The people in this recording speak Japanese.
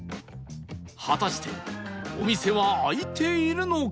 果たしてお店は開いているのか？